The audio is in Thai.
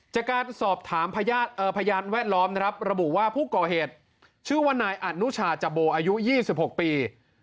จากการสอบถามพยานแวดล้อมนะครับระบุว่าผู้ก่อเหตุชื่อว่านายอนุชาจโบอายุ๒๖ปี